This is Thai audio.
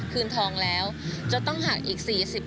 คืนทองแล้วจนต้องหักอีก๔๐